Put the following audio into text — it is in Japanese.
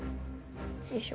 よいしょ。